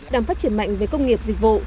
đang phát triển mạnh với công nghiệp dịch vụ